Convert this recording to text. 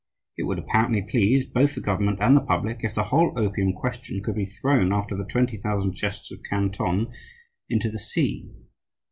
It would apparently please both the government and the public if the whole opium question could be thrown after the twenty thousand chests of Canton into the sea.